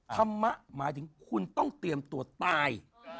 ธรรมะหมายถึงคุณต้องเตรียมตัวตาย